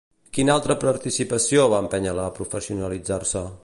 Quina altra participació va empènyer-la a professionalitzar-se?